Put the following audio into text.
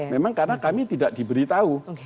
memang karena kami tidak diberitahu